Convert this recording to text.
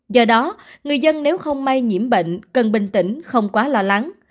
do đó người dân nếu không may nhiễm bệnh cần bình tĩnh không quá lo lắng